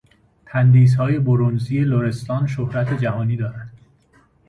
تندیسهای برنزی لرستان شهرت جهانی دارند.